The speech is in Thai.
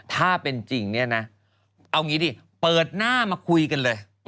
ถ้าเป็นจริงเนี่ยนะเอางี้ดิเปิดหน้ามาคุยกันเลย